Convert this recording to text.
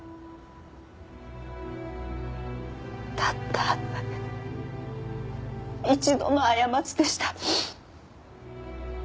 たった一度の過ちでした。